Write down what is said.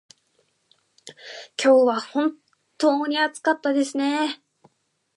今日は本当に暑かったですね。